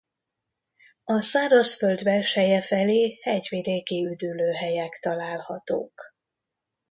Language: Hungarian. A szárazföld belseje felé hegyvidéki üdülőhelyek találhatók.